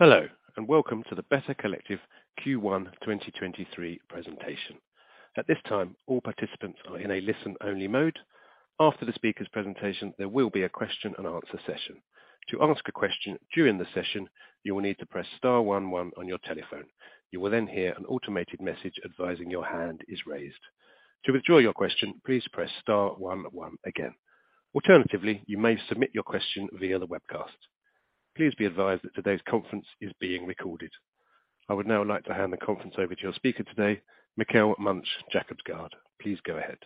Hello, welcome to the Better Collective Q1 2023 presentation. At this time, all participants are in a listen-only mode. After the speaker's presentation, there will be a question and answer session. To ask a question during the session, you will need to press star one one on your telephone. You will hear an automated message advising your hand is raised. To withdraw your question, please press star one one again. Alternatively, you may submit your question via the webcast. Please be advised that today's conference is being recorded. I would now like to hand the conference over to your speaker today, Mikkel Munch-Jacobsgaard. Please go ahead.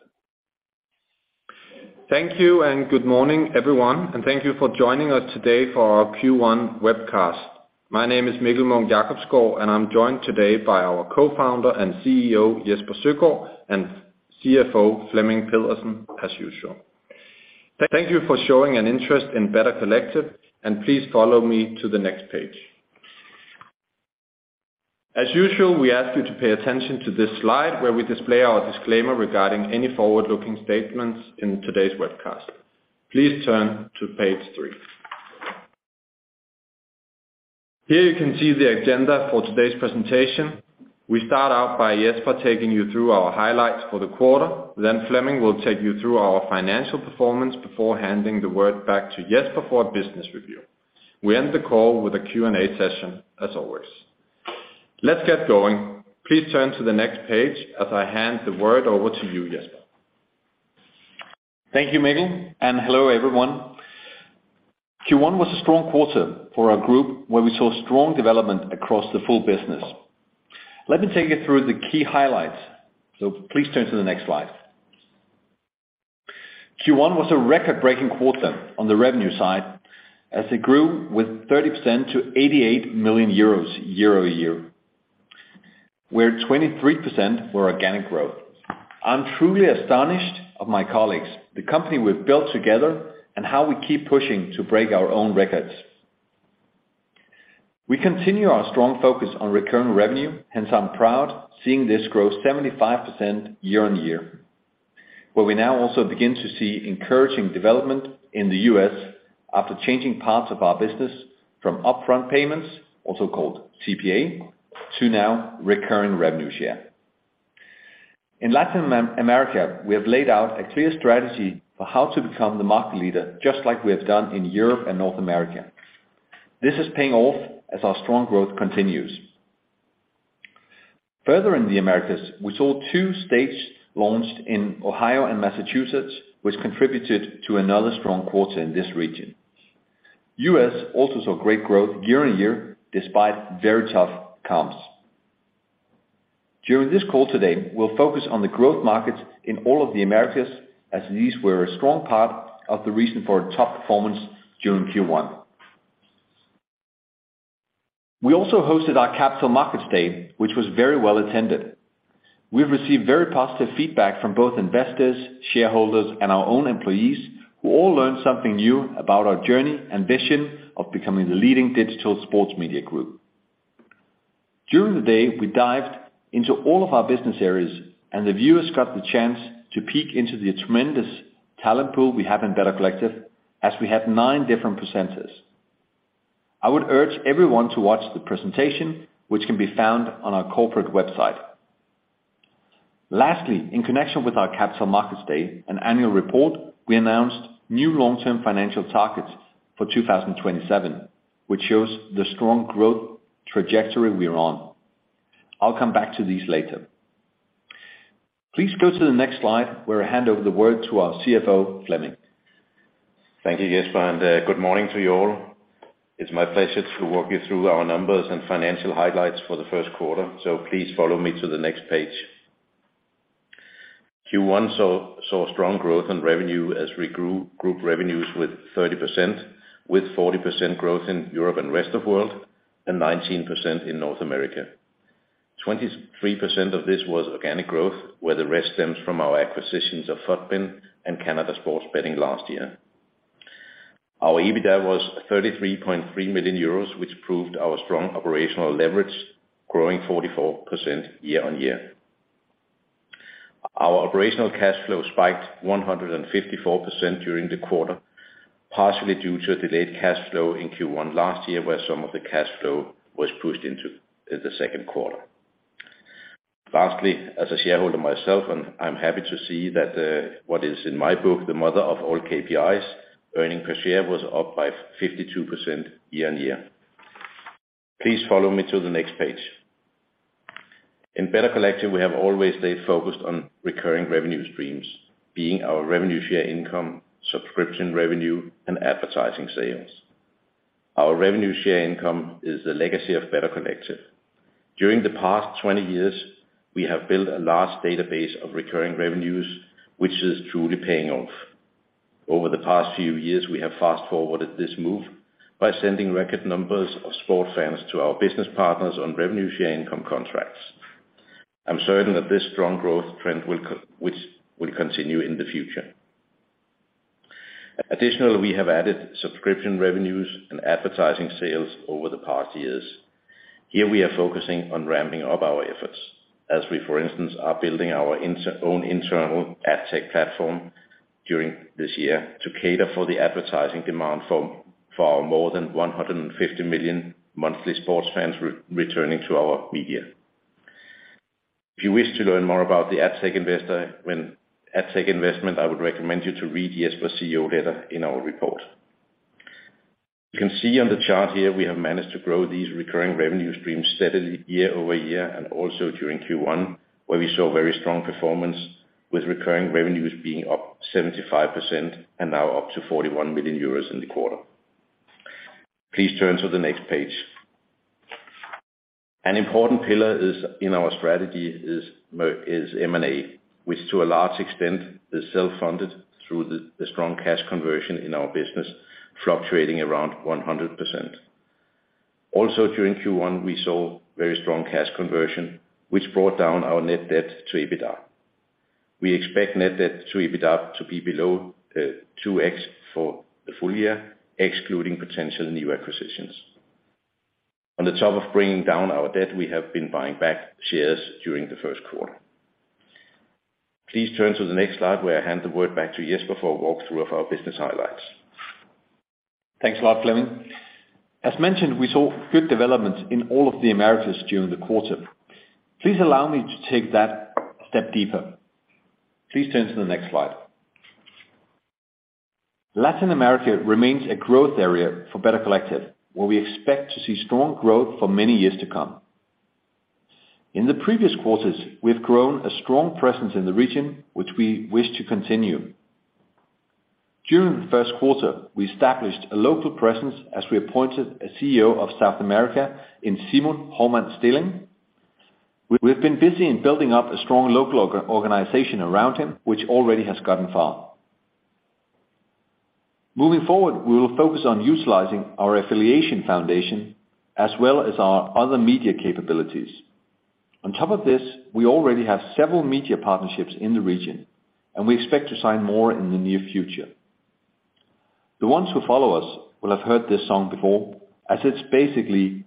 Thank you and good morning, everyone. Thank you for joining us today for our Q1 webcast. My name is Mikkel Munch-Jacobsgaard, I'm joined today by our Co-founder and CEO, Jesper Søgaard, and CFO, Flemming Pedersen, as usual. Thank you for showing an interest in Better Collective. Please follow me to the next page. As usual, we ask you to pay attention to this slide where we display our disclaimer regarding any forward-looking statements in today's webcast. Please turn to page three. Here you can see the agenda for today's presentation. We start out by Jesper taking you through our highlights for the quarter. Flemming will take you through our financial performance before handing the word back to Jesper for a business review. We end the call with a Q&A session as always. Let's get going. Please turn to the next page as I hand the word over to you, Jesper. Thank you, Mikkel. Hello, everyone. Q1 was a strong quarter for our group, where we saw strong development across the full business. Let me take you through the key highlights. Please turn to the next slide. Q1 was a record-breaking quarter on the revenue side as it grew with 30% to 88 million euros year-over-year, where 23% were organic growth. I'm truly astonished of my colleagues, the company we've built together, and how we keep pushing to break our own records. We continue our strong focus on recurring revenue, hence I'm proud seeing this grow 75% year-on-year, where we now also begin to see encouraging development in the U.S. after changing parts of our business from upfront payments, also called CPA, to now recurring revenue share. In Latin America, we have laid out a clear strategy for how to become the market leader, just like we have done in Europe and North America. This is paying off as our strong growth continues. Further in the Americas, we saw two states launched in Ohio and Massachusetts, which contributed to another strong quarter in this region. U.S. also saw great growth year-on-year despite very tough comps. During this call today, we'll focus on the growth markets in all of the Americas, as these were a strong part of the reason for a top performance during Q1. We also hosted our Capital Markets Day, which was very well attended. We've received very positive feedback from both investors, shareholders, and our own employees, who all learned something new about our journey and vision of becoming the leading digital sports media group. During the day, we dived into all of our business areas, and the viewers got the chance to peek into the tremendous talent pool we have in Better Collective, as we have nine different presenters. I would urge everyone to watch the presentation, which can be found on our corporate website. Lastly, in connection with our Capital Markets Day and annual report, we announced new long-term financial targets for 2027, which shows the strong growth trajectory we're on. I'll come back to these later. Please go to the next slide where I hand over the word to our CFO, Flemming. Thank you, Jesper. Good morning to you all. It's my pleasure to walk you through our numbers and financial highlights for the first quarter. Please follow me to the next page. Q1 saw strong growth in revenue as we grew group revenues with 30%, with 40% growth in Europe and rest of world and 19% in North America. 23% of this was organic growth, where the rest stems from our acquisitions of FUTBIN and Canada Sports Betting last year. Our EBITDA was 33.3 million euros, which proved our strong operational leverage, growing 44% year-on-year. Our operational cash flow spiked 154% during the quarter, partially due to a delayed cash flow in Q1 last year, where some of the cash flow was pushed into the second quarter. Lastly, as a shareholder myself, I'm happy to see that what is in my book, the mother of all KPIs, earnings per share was up by 52% year-on-year. Please follow me to the next page. In Better Collective, we have always stayed focused on recurring revenue streams, being our revenue share income, subscription revenue, and advertising sales. Our revenue share income is the legacy of Better Collective. During the past 20 years, we have built a large database of recurring revenues, which is truly paying off. Over the past few years, we have fast-forwarded this move by sending record numbers of sport fans to our business partners on revenue share income contracts. I'm certain that this strong growth trend will which will continue in the future. Additionally, we have added subscription revenues and advertising sales over the past years. Here we are focusing on ramping up our efforts as we, for instance, are building our own internal ad tech platform during this year to cater for the advertising demand for our more than 150 million monthly sports fans returning to our media. If you wish to learn more about the ad tech investment, I would recommend you to read Jesper's CEO letter in our report. You can see on the chart here, we have managed to grow these recurring revenue streams steadily year-over-year and also during Q1, where we saw very strong performance with recurring revenues being up 75% and now up to 41 million euros in the quarter. Please turn to the next page. An important pillar in our strategy is M&A, which to a large extent is self-funded through the strong cash conversion in our business, fluctuating around 100%. Also during Q1, we saw very strong cash conversion, which brought down our net debt to EBITDA. We expect net debt to EBITDA to be below 2x for the full year, excluding potential new acquisitions. On the top of bringing down our debt, we have been buying back shares during the first quarter. Please turn to the next slide, where I hand the word back to Jesper for a walk-through of our business highlights. Thanks a lot, Flemming. As mentioned, we saw good development in all of the Americas during the quarter. Please allow me to take that a step deeper. Please turn to the next slide. Latin America remains a growth area for Better Collective, where we expect to see strong growth for many years to come. In the previous quarters, we've grown a strong presence in the region, which we wish to continue. During the first quarter, we established a local presence as we appointed a CEO of South America in Simon Hovmand-Stilling. We've been busy in building up a strong local organization around him, which already has gotten far. Moving forward, we will focus on utilizing our affiliation foundation as well as our other media capabilities. On top of this, we already have several media partnerships in the region, and we expect to sign more in the near future. The ones who follow us will have heard this song before, as it basically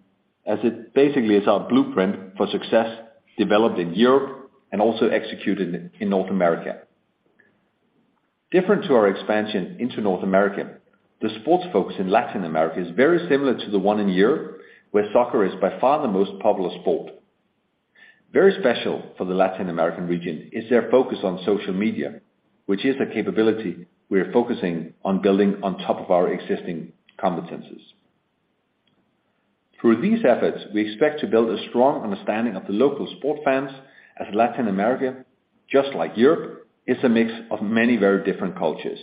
is our blueprint for success developed in Europe and also executed in North America. Different to our expansion into North America, the sports focus in Latin America is very similar to the one in Europe, where soccer is by far the most popular sport. Very special for the Latin American region is their focus on social media, which is a capability we are focusing on building on top of our existing competencies. Through these efforts, we expect to build a strong understanding of the local sport fans as Latin America, just like Europe, is a mix of many very different cultures.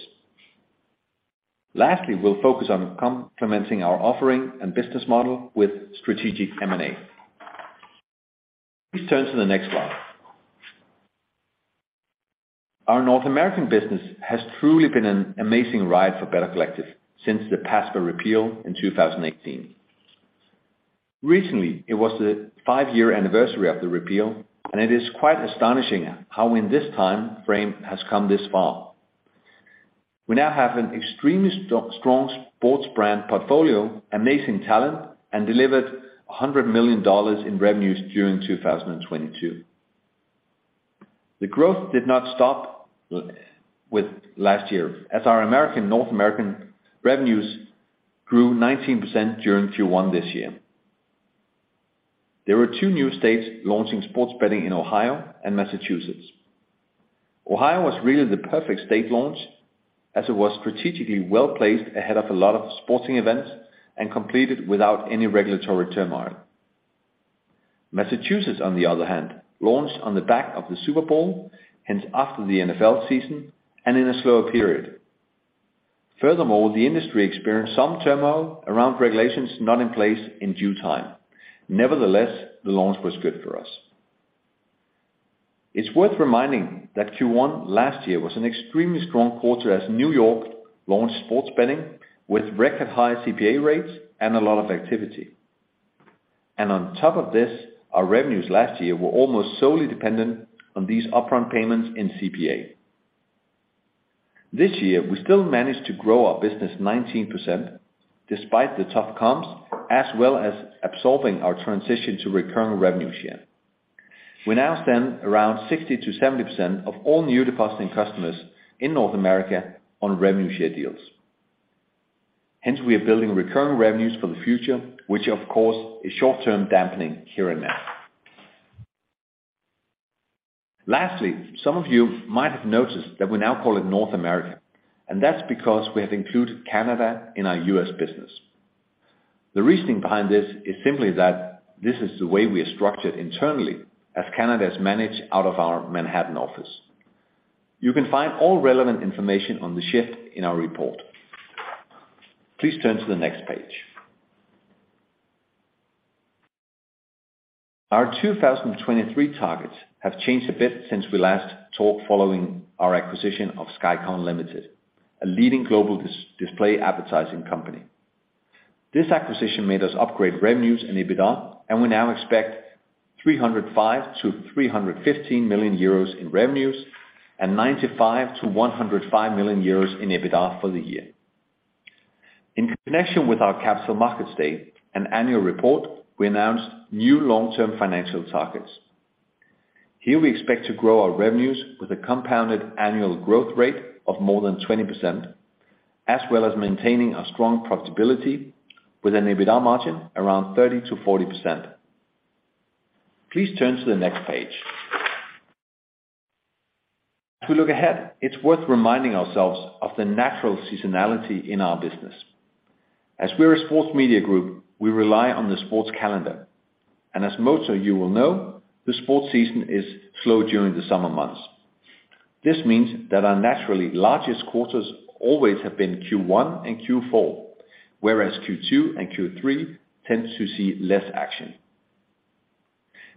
Lastly, we'll focus on complementing our offering and business model with strategic M&A. Please turn to the next slide. Our North American business has truly been an amazing ride for Better Collective since the PASPA repeal in 2018. Recently, it was the five-year anniversary of the repeal, it is quite astonishing how in this timeframe it has come this far. We now have an extremely strong sports brand portfolio, amazing talent, delivered $100 million in revenues during 2022. The growth did not stop with last year as our North American revenues grew 19% during Q1 this year. There were new new states launching sports betting in Ohio and Massachusetts. Ohio was really the perfect state launch as it was strategically well-placed ahead of a lot of sporting events and completed without any regulatory turmoil. Massachusetts, on the other hand, launched on the back of the Super Bowl, hence after the NFL season and in a slower period. Furthermore, the industry experienced some turmoil around regulations not in place in due time. Nevertheless, the launch was good for us. It's worth reminding that Q1 last year was an extremely strong quarter as New York launched sports betting with record high CPA rates and a lot of activity. On top of this, our revenues last year were almost solely dependent on these upfront payments in CPA. This year, we still managed to grow our business 19% despite the tough comps, as well as absolving our transition to recurring revenue share. We now stand around 60%-70% of all new depositing customers in North America on revenue share deals. We are building recurring revenues for the future, which of course is short-term dampening here and now. Lastly, some of you might have noticed that we now call it North America. That's because we have included Canada in our U.S. business. The reasoning behind this is simply that this is the way we are structured internally as Canada is managed out of our Manhattan office. You can find all relevant information on the shift in our report. Please turn to the next page. Our 2023 targets have changed a bit since we last talked following our acquisition of Skycon Limited, a leading global display advertising company. This acquisition made us upgrade revenues and EBITDA. We now expect 305 million-315 million euros in revenues and 95 million-105 million euros in EBITDA for the year. In connection with our Capital Markets Day and annual report, we announced new long-term financial targets. Here, we expect to grow our revenues with a compounded annual growth rate of more than 20%, as well as maintaining our strong profitability with an EBITDA margin around 30%-40%. Please turn to the next page. We look ahead, it's worth reminding ourselves of the natural seasonality in our business. We're a sports media group, we rely on the sports calendar, and as most of you will know, the sports season is slow during the summer months. This means that our naturally largest quarters always have been Q1 and Q4, whereas Q2 and Q3 tend to see less action.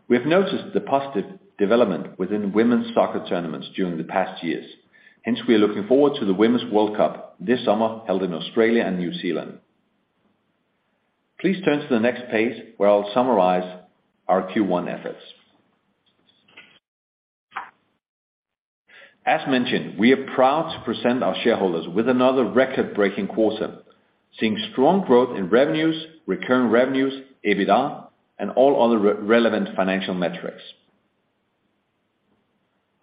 We have noticed the positive development within women's soccer tournaments during the past years. We are looking forward to the Women's World Cup this summer held in Australia and New Zealand. Please turn to the next page, where I'll summarize our Q1 efforts. As mentioned, we are proud to present our shareholders with another record-breaking quarter, seeing strong growth in revenues, recurring revenues, EBITDA, and all other re-relevant financial metrics.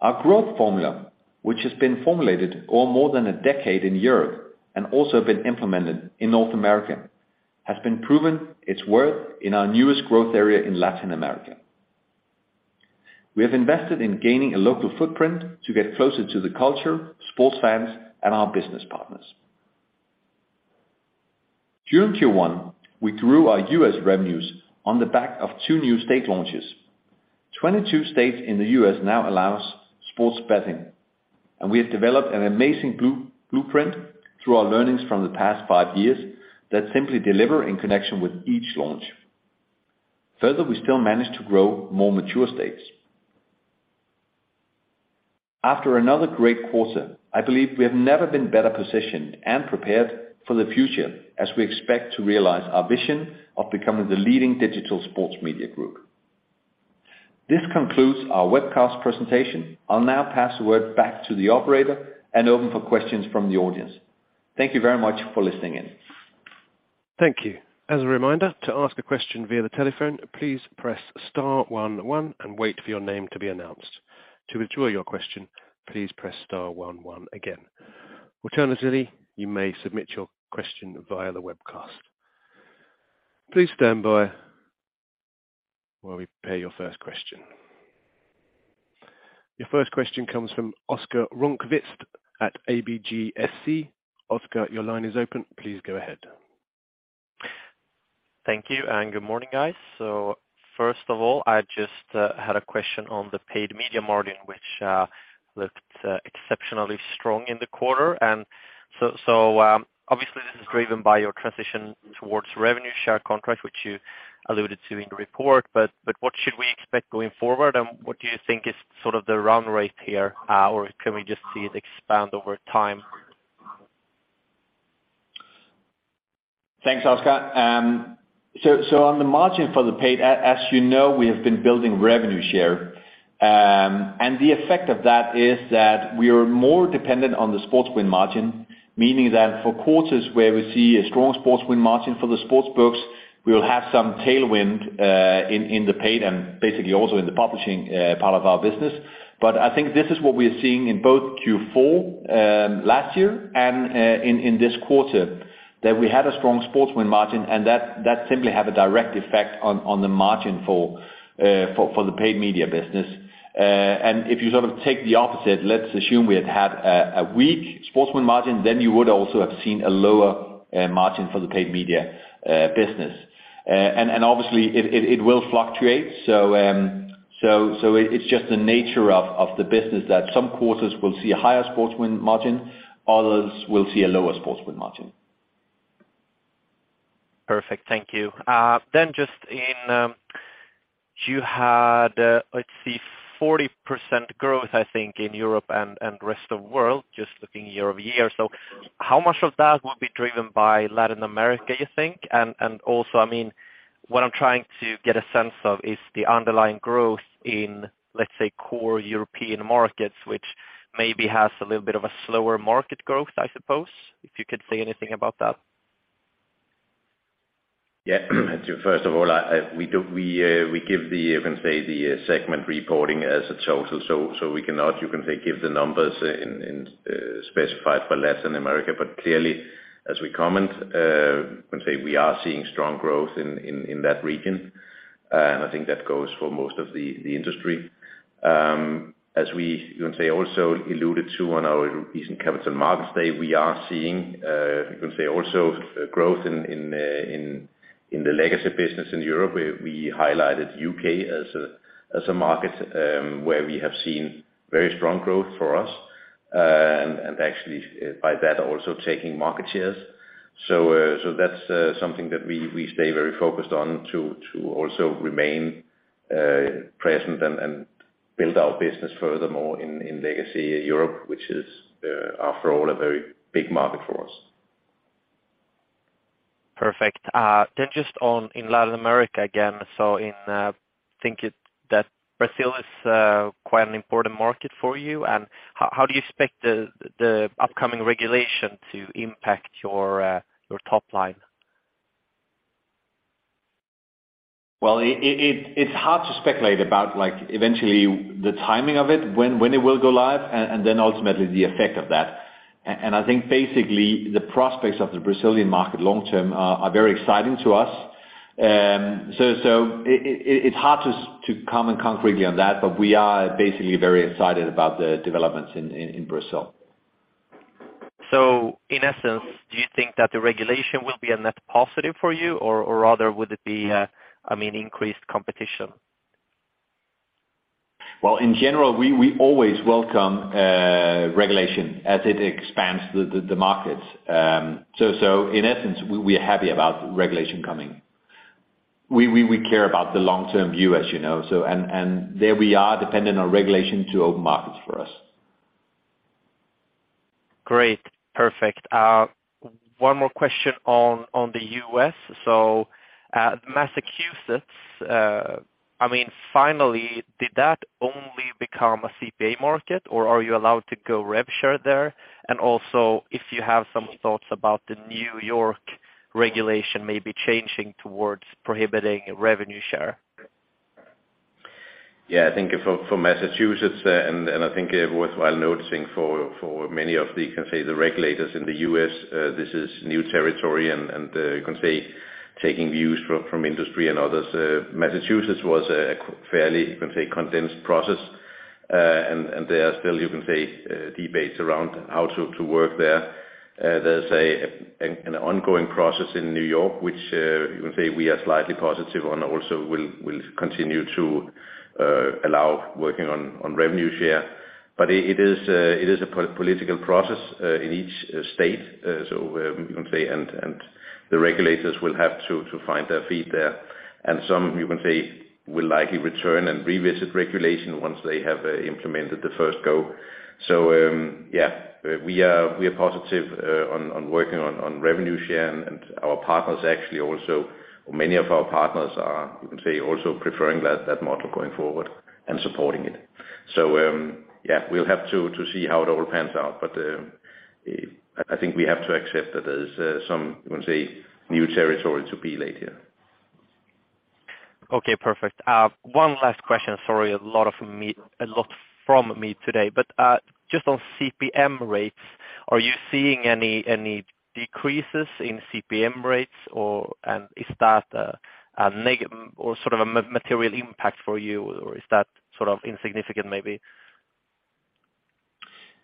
Our growth formula, which has been formulated for more than a decade in Europe and also been implemented in North America, has been proven its worth in our newest growth area in Latin America. We have invested in gaining a local footprint to get closer to the culture, sports fans, and our business partners. During Q1, we grew our U.S. revenues on the back of two new state launches. 22 states in the U.S. now allows sports betting, and we have developed an amazing blue-blueprint through our learnings from the past five years that simply deliver in connection with each launch. Further, we still manage to grow more mature states. After another great quarter, I believe we have never been better positioned and prepared for the future as we expect to realize our vision of becoming the leading digital sports media group. This concludes our webcast presentation. I'll now pass the word back to the operator and open for questions from the audience. Thank you very much for listening in. Thank you. As a reminder, to ask a question via the telephone, please press star one onand wait for your name to be announced. To withdraw your question, please press star one one again. Alternatively, you may submit your question via the webcast. Please stand by while we prepare your first question. Your first question comes from Oscar Rönnkvist at ABGSC. Oscar, your line is open. Please go ahead. Thank you. Good morning, guys. First of all, I just had a question on the paid media margin, which looked exceptionally strong in the quarter. Obviously this is driven by your transition towards revenue share contracts, which you alluded to in the report, but what should we expect going forward? What do you think is sort of the run rate here? Or can we just see it expand over time? Thanks, Oscar. On the margin for the paid, as you know, we have been building revenue share. The effect of that is that we are more dependent on the sports win margin, meaning that for quarters where we see a strong sports win margin for the sports books, we will have some tailwind, in the paid and basically also in the publishing, part of our business. I think this is what we are seeing in both Q4, last year and in this quarter, that we had a strong sports win margin and that simply have a direct effect on the margin for the paid media business. If you sort of take the opposite, let's assume we had a weak sports win margin, then you would also have seen a lower margin for the paid media business. Obviously it will fluctuate. It's just the nature of the business that some quarters will see a higher sports win margin, others will see a lower sports win margin. Perfect. Thank you. Just in, you had, let's see, 40% growth, I think, in Europe and rest of world, just looking year-over-year. How much of that will be driven by Latin America, you think? Also, I mean, what I'm trying to get a sense of is the underlying growth in, let's say, core European markets, which maybe has a little bit of a slower market growth, I suppose. If you could say anything about that. Yeah. First of all, we give the, you can say, the segment reporting as a total. We cannot, you can say, give the numbers in specified for Latin America. Clearly, as we comment, you can say, we are seeing strong growth in that region. I think that goes for most of the industry. As we, you can say, also alluded to on our recent Capital Markets Day, we are seeing, you can say, also growth in the legacy business in Europe. We highlighted U.K. as a market, where we have seen very strong growth for us, and actually by that also taking market shares. That's something that we stay very focused on to also remain present and build our business furthermore in legacy Europe, which is after all a very big market for us. Perfect. Just on in Latin America again. In, think it that Brazil is, quite an important market for you, and how do you expect the upcoming regulation to impact your top line? Well, it's hard to speculate about like eventually the timing of it when it will go live and then ultimately the effect of that. I think basically the prospects of the Brazilian market long-term are very exciting to us. It's hard to comment concretely on that, but we are basically very excited about the developments in Brazil. In essence, do you think that the regulation will be a net positive for you, or rather would it be, I mean, increased competition? In general we always welcome regulation as it expands the markets. In essence, we are happy about regulation coming. We care about the long-term view, as you know, and there we are dependent on regulation to open markets for us. Great. Perfect. One more question on the U.S. Massachusetts, I mean finally, did that only become a CPA market or are you allowed to go rev share there? If you have some thoughts about the New York regulation may be changing towards prohibiting revenue share. Yeah. I think for Massachusetts, and I think worthwhile noticing for many of the, you can say the regulators in the U.S., this is new territory and, you can say, taking views from industry and others. Massachusetts was a fairly, you can say condensed process. There are still, you can say, debates around how to work there. There's an ongoing process in New York, which, you can say we are slightly positive on also will continue to allow working on revenue share. It is a political process in each state. You can say the regulators will have to find their feet there. Some you can say will likely return and revisit regulation once they have implemented the first go. Yeah, we are, we are positive on working on revenue share and our partners actually also, many of our partners are, you can say also preferring that model going forward and supporting it. Yeah, we'll have to see how it all pans out. I think we have to accept that there's some, you can say new territory to be laid here. Okay, perfect. One last question. Sorry, a lot from me today. Just on CPM rates, are you seeing any decreases in CPM rates or, is that, or sort of a material impact for you or is that sort of insignificant maybe?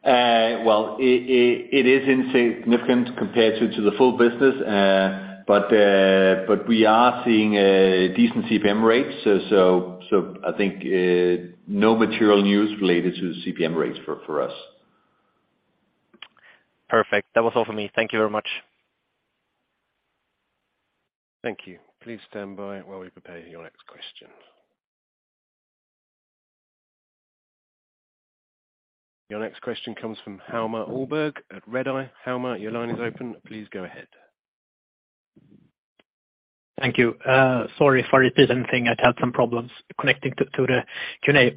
Well, it is insignificant compared to the full business. We are seeing decent CPM rates. I think no material news related to the CPM rates for us. Perfect. That was all for me. Thank you very much. Thank you. Please stand by while we prepare your next question. Your next question comes from Hjalmar Ahlberg at Redeye. Hjalmar, your line is open. Please go ahead. Thank you. Sorry if I repeat anything. I'd had some problems connecting to the Q&A.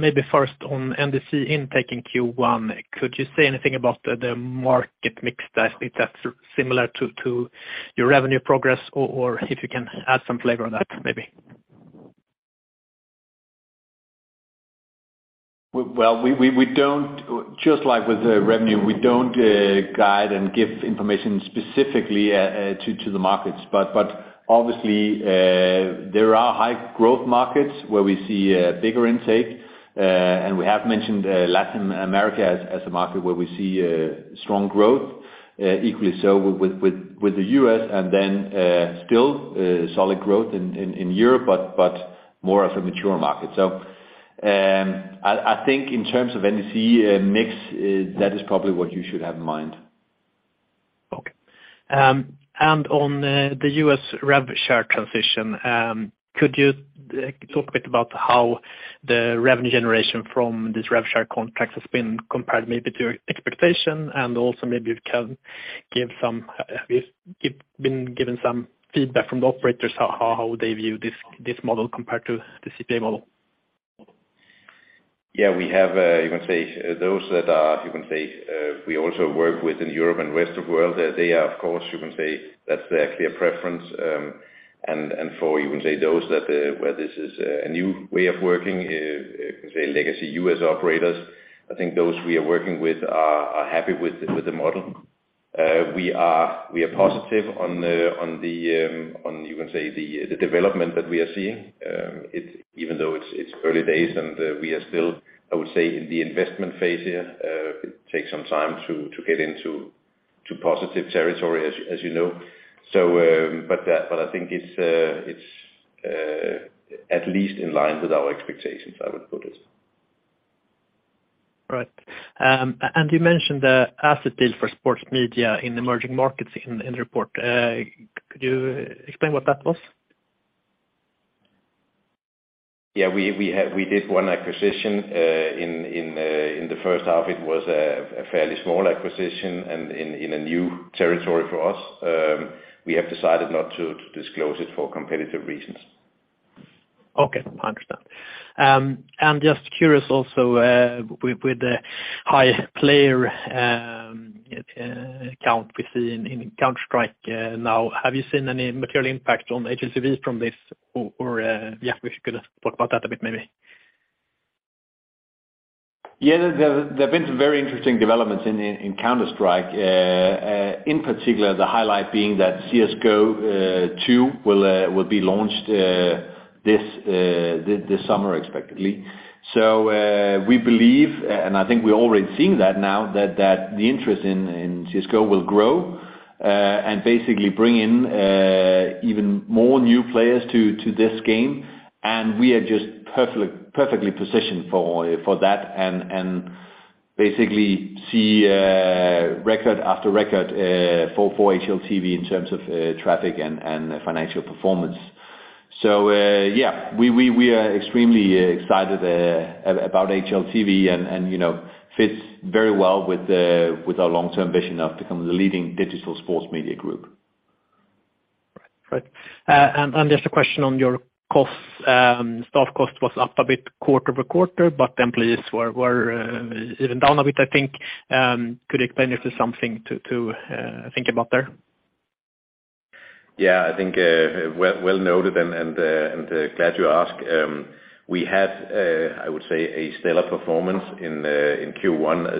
Maybe first on NDC intake in Q1. Could you say anything about the market mix? I think that's similar to your revenue progress or if you can add some flavor on that maybe. Well, we don't Just like with revenue, we don't guide and give information specifically to the markets. Obviously, there are high growth markets where we see bigger intake. We have mentioned Latin America as a market where we see strong growth. Equally so with the U.S. still solid growth in Europe but more as a mature market. I think in terms of NDC mix, that is probably what you should have in mind. Okay. On the U.S. rev share transition, could you talk a bit about how the revenue generation from this rev share contracts has been compared maybe to your expectation? Also maybe you can give some, been given some feedback from the operators how they view this model compared to the CPA model? Yeah. We have, you can say those that are, you can say, we also work with in Europe and rest of world, they are of course, you can say that's their clear preference. For, you can say those that, where this is a new way of working, you can say legacy U.S. operators, I think those we are working with are happy with the model. We are positive on the, on the, on you can say the development that we are seeing. Even though it's early days and we are still, I would say in the investment phase here. It takes some time to get into, to positive territory as you know. I think it's, at least in line with our expectations, I would put it. All right. You mentioned the asset deal for sports media in emerging markets in the report. Could you explain what that was? Yeah, we did one acquisition in the first half. It was a fairly small acquisition and in a new territory for us. We have decided not to disclose it for competitive reasons. Okay, I understand. I'm just curious also, with the high player count we see in Counter-Strike now, have you seen any material impact on HLTV from this? Or, yeah, if you could talk about that a bit maybe. Yeah. There have been some very interesting developments in Counter-Strike. In particular, the highlight being that CS:GO 2 will be launched this summer expectedly. We believe, and I think we're already seeing that now, that the interest in CS:GO will grow and basically bring in even more new players to this game. We are just perfectly positioned for that and basically see record after record for HLTV in terms of traffic and financial performance. We are extremely excited about HLTV and, you know, fits very well with our long-term vision of becoming the leading digital sports media group. Right. Just a question on your costs. Staff cost was up a bit quarter-over-quarter, but employees were even down a bit, I think. Could you explain if there's something to think about there? Yeah, I think, well noted and glad you asked. We had, I would say a stellar performance in Q1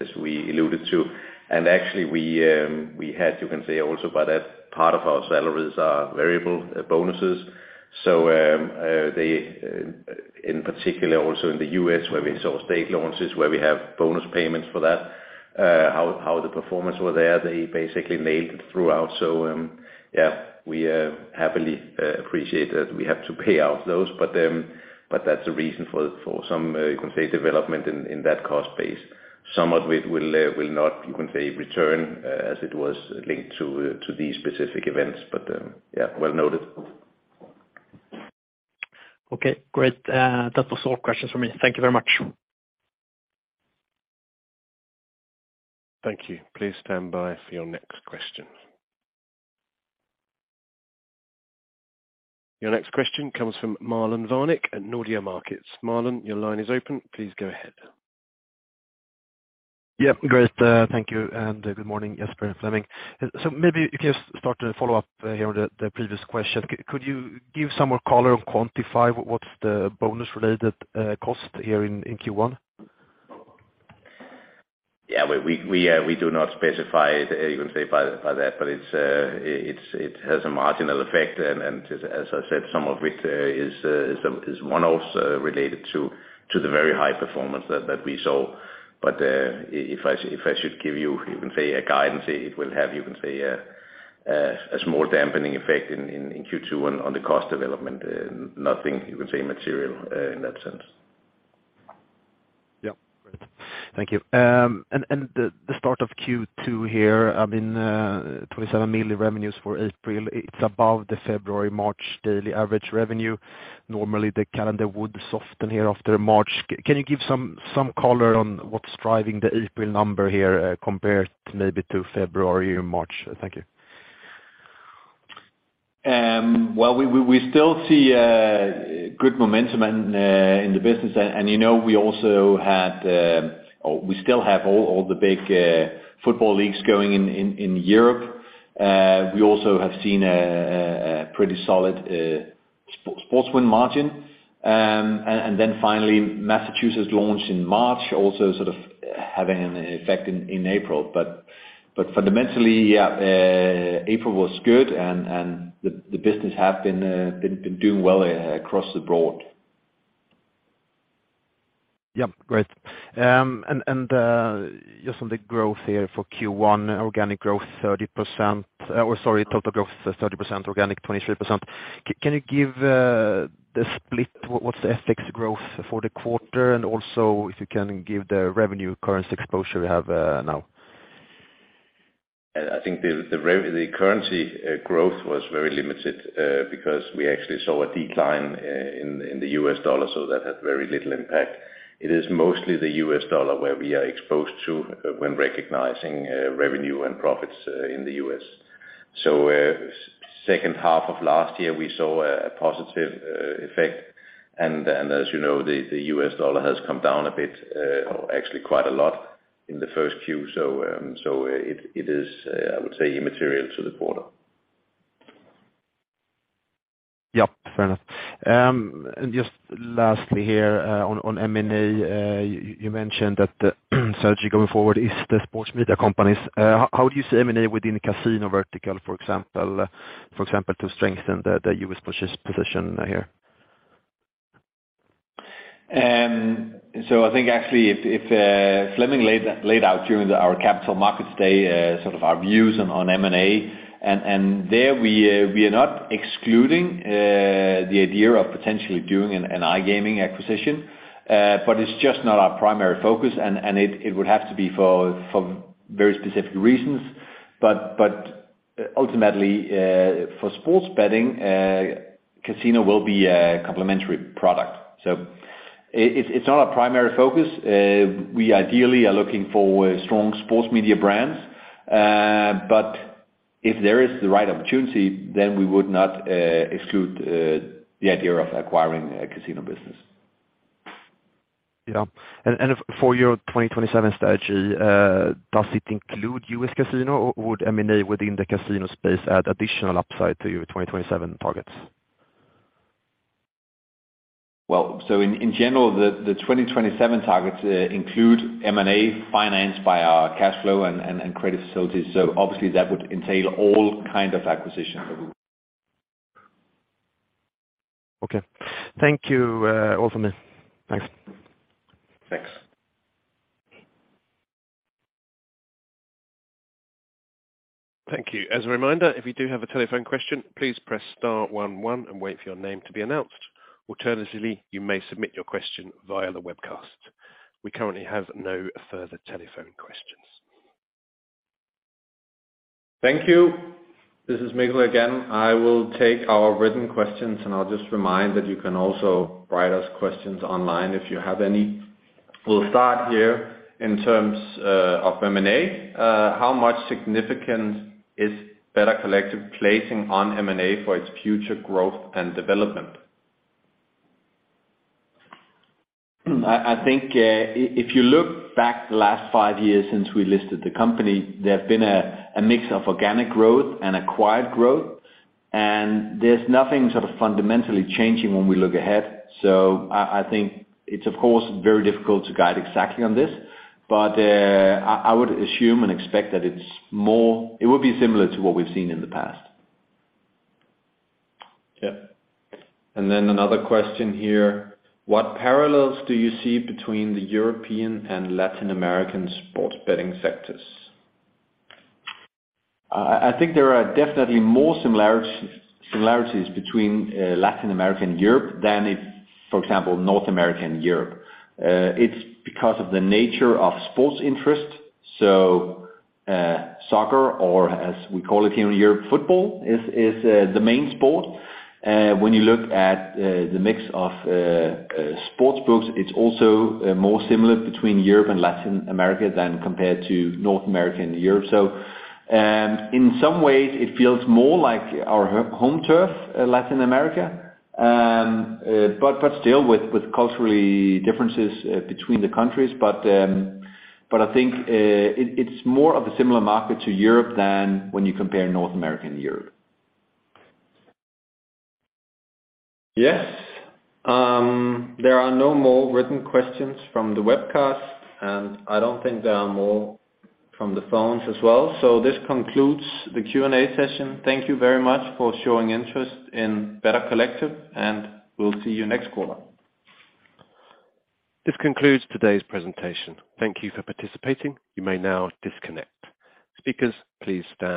as we alluded to. Actually we had, you can say also by that part of our salaries are variable bonuses. They in particular also in the U.S. where we saw state launches, where we have bonus payments for that, how the performance were there, they basically nailed it throughout. Yeah, we happily appreciate that we have to pay out those, but that's the reason for some, you can say development in that cost base. Some of it will not, you can say return, as it was linked to these specific events. Yeah, well noted. Okay, great. That was all questions for me. Thank you very much. Thank you. Please stand by for your next question. Your next question comes from Marlon Värn at Nordea Markets. Marlon, your line is open. Please go ahead. Yeah, great. Thank you, and good morning, Jesper and Flemming. Maybe if you start to follow up here on the previous question. Could you give some more color or quantify what's the bonus related cost here in Q1? Yeah, we, we do not specify it, you can say by that, but it's, it has a marginal effect. As I said, some of it, is one also related to the very high performance that we saw. If I should give you can say a guidance, it will have, you can say, a small dampening effect in Q2 on the cost development. Nothing you can say material, in that sense. Yeah. Great. Thank you. The start of Q2 here, I mean, 27 million revenues for April, it's above the February, March daily average revenue. Normally the calendar would soften here after March. Can you give some color on what's driving the April number here, compared to maybe to February and March? Thank you. Well, we still see good momentum and in the business. You know, we also had, or we still have all the big football leagues going in Europe. We also have seen a pretty solid sports win margin. Finally, Massachusetts launched in March, also sort of having an effect in April. Fundamentally, yeah, April was good and the business have been doing well across the board. Yeah. Great. Just on the growth here for Q1, organic growth 30%, or sorry, total growth 30%, organic 23%. Can you give the split? What's the FX growth for the quarter? Also if you can give the revenue currency exposure we have now. I think the currency growth was very limited because we actually saw a decline in the U.S. dollar, so that had very little impact. It is mostly the U.S. dollar where we are exposed to when recognizing revenue and profits in the U.S.. Second half of last year, we saw a positive effect. As you know, the U.S. dollar has come down a bit, actually quite a lot in the first Q. It is, I would say immaterial to the quarter. Yeah. Fair enough. Just lastly here, on M&A, you mentioned that the strategy going forward is the sports media companies. How do you see M&A within casino vertical, for example, to strengthen the U.S. position here? I think actually if, Flemming laid out during our Capital Markets Day, sort of our views on M&A, and there we are not excluding, the idea of potentially doing an iGaming acquisition. It's just not our primary focus. It would have to be for very specific reasons. Ultimately, for sports betting, casino will be a complementary product. It's not our primary focus. We ideally are looking for strong sports media brands. If there is the right opportunity, then we would not exclude the idea of acquiring a casino business. Yeah. For your 2027 strategy, does it include U.S. casino, or would M&A within the casino space add additional upside to your 2027 targets? In general, the 2027 targets include M&A financed by our cash flow and credit facilities. Obviously that would entail all kind of acquisitions. Okay. Thank you, all for me. Thanks. Thanks. Thank you. As a reminder, if you do have a telephone question, please press star one one and wait for your name to be announced. Alternatively, you may submit your question via the webcast. We currently have no further telephone questions. Thank you. This is Mikkel again. I will take our written questions, and I'll just remind that you can also write us questions online if you have any. We'll start here. In terms of M&A, how much significant is Better Collective placing on M&A for its future growth and development? I think if you look back the last five years since we listed the company, there have been a mix of organic growth and acquired growth, and there's nothing sort of fundamentally changing when we look ahead. I think it's of course, very difficult to guide exactly on this, but I would assume and expect that it's more... It would be similar to what we've seen in the past. Yeah. Another question here. What parallels do you see between the European and Latin American sports betting sectors? I think there are definitely more similarities between Latin America and Europe than if, for example, North America and Europe. It's because of the nature of sports interest. Soccer or as we call it here in Europe, football is the main sport. When you look at the mix of sports books, it's also more similar between Europe and Latin America than compared to North America and Europe. In some ways it feels more like our home turf, Latin America. Still with culturally differences between the countries. I think it's more of a similar market to Europe than when you compare North America and Europe. Yes. There are no more written questions from the webcast. I don't think there are more from the phones as well. This concludes the Q&A session. Thank you very much for showing interest in Better Collective. We'll see you next quarter. This concludes today's presentation. Thank you for participating. You may now disconnect. Speakers, please stand by.